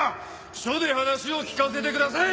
署で話を聞かせてください。